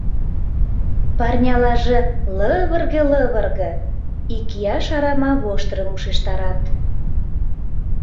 Парнялаже лывырге-лывырге, икияш арама воштырым ушештарат.